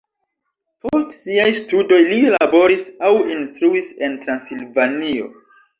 Post siaj studoj li laboris aŭ instruis en Transilvanio.